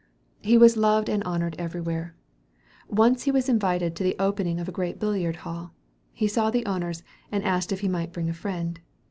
He was loved and honored everywhere. Once he was invited to the opening of a great billiard hall. He saw the owners, and asked if he might bring a friend.